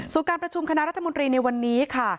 ส่วนการประชุมคณะรัฐมนตรีในวันนี้ค่ะ